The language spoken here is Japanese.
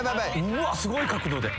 すごい角度で。